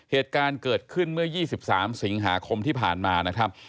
เหตุการณ์เกิดขึ้นเมื่อ๒๓สิงหาคมที่ผ่านมานะครับ